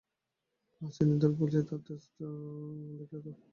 আজ তিনদিন ধরে বলছি-আবার তেজডা দেখলে তো?